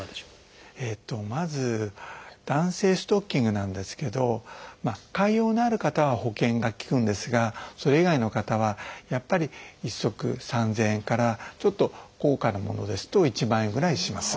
まず弾性ストッキングなんですけど潰瘍のある方は保険が利くんですがそれ以外の方はやっぱり１足３，０００円からちょっと高価なものですと１万円ぐらいします。